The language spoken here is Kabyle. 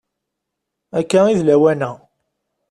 Akka i d lawan-a.